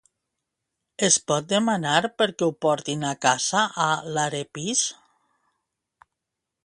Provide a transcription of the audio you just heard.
Es pot demanar perquè ho portin a casa a l'Arepish?